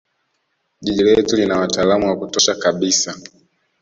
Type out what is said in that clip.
jiji letu lina wataalam wa kutosha kabisa